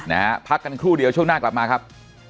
นะฮะพักกันครู่เดียวช่วงหน้ากลับมาครับ